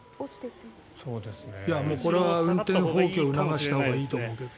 これは運転放棄を促したほうがいいと思うけど。